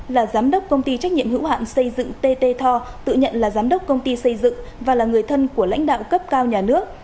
là giám đốc công ty trách nhiệm hữu hạn xây dựng tt thor tự nhận là giám đốc công ty xây dựng và là người thân của lãnh đạo cấp cao nhà nước